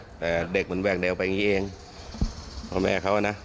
แต่เด็กมันแวกแนวไปอย่างงี้เองพ่อแม่เขานะ